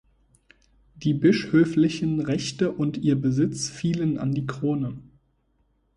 Die bischöflichen Rechte und ihr Besitz fielen an die Krone.